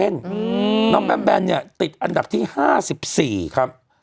น้องแบมแบนเนี่ยติดอันดับที่๕๔ครับ